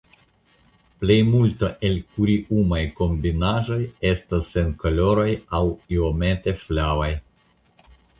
Plejmulto el la kuriumaj kombinaĵoj estas senkoloraj aŭ iomete flavaj.